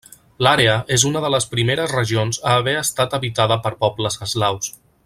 L'àrea és una de les primeres regions a haver estat habitada per pobles eslaus.